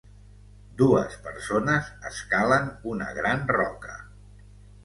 Dues persones escalen una gran roca.